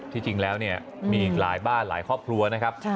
จริงแล้วเนี่ยมีอีกหลายบ้านหลายครอบครัวนะครับ